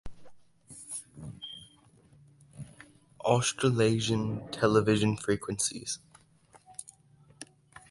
Australasian television frequencies